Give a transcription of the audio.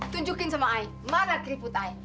tunjukin sama i mana keriput i